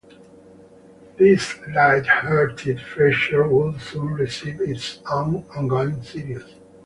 This lighthearted feature would soon receive its own ongoing series.